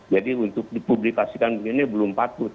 jadi untuk dipublikasikan begini belum patut